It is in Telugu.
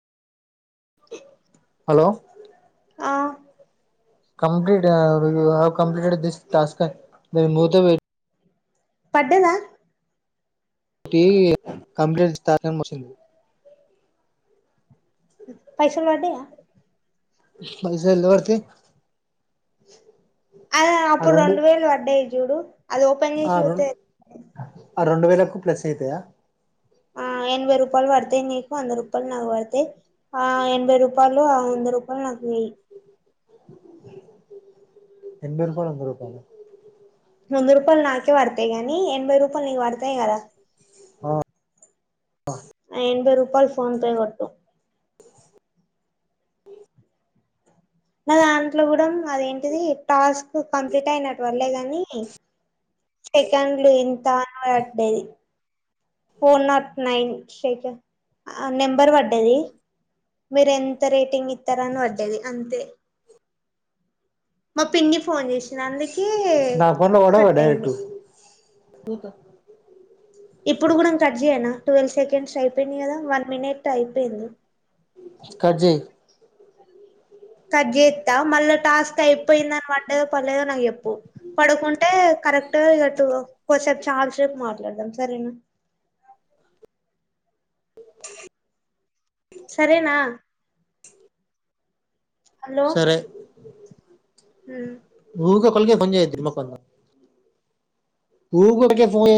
హలో ఆ కంప్లీట్ ఆ ఊ ఆ కంప్లీటు దిస్ టాస్క్ అని ధీ ముథేవీడు పడ్డదా ఈ కంప్లీట్ [unintelligible] పైసలు వడ్డయ పైసలు [unintelligible] పడితే అదే అప్పుడు రెండు వేలు వడ్డయి జూడు అది ఓపన్ ఆ జేసి రెండు సుత్తె తే ఆ రెండు వేలకు ప్లస్ అయితయా ఆ ఎనభై రూపాయలు వడతయి్ నీకు వంద రూపాయలు నాకు వడతయి ఆ ఎనభై రూపాయలు ఆ వంద రూపాయలు నాకు వేయి ఎభై రూపాయలు వంద రూపాయలా వంద రూపాయలు నాకే వడుతయి గానీ ఎనభై రూప [unintelligible] నీకు వడుతయి కాదా ఆ అ ఎనభై రూపాయలు ఫోన్ పే కొట్టు నా దాంట్లో గుడం అదేంటిది టాస్క్ కంప్లీట్ అయినటు వల్లే గాని సెకండ్లు ఇంతా అని వడ్డయి ఫోర్ నాట్ నైన్ షేక్ఆ నెంబర్ వడ్డది మీరు ఎంత రేటింగ్ ఇత్తరని వడ్డది అంతే మా పిన్ని ఫోన్ చేసింది అందుకే నా అకౌంట్ లో పడవా డైరెక్ట్ కట్టయింది [unintelligible] ఇప్పుడు కూడా కట్ జేయనా ట్వెల్వ్ సెకండ్స్ అయిపేయినయి గదా వన్ మినిట్ అయిపోయింది కట్జేయ్ కట్ చేస్తా మళ్ల టాస్క్ అయిపోయింద అని పడ్డది పడలేదు నాకు చేప్పు పడుకుంటే కరెక్ట్ ఇటు [unintelligible] చాలాసేపు మాట్లాడదాం సరేనా సరేనా సరే [unintelligible] మ్ ఊకె ఒకరికే ఫోన్ చేయొద్దు ఎడిమొఖందాన ఊకె ఒకళకే ఫోన్